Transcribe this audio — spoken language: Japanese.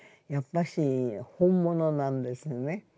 やっぱし本物なんですね。